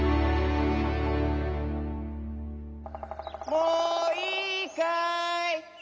もういいかい？